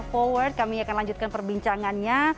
forward kami akan lanjutkan perbincangannya